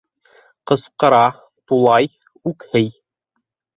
Ҡысҡыра, тулай, үкһей!